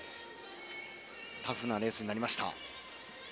タフなレースになりました。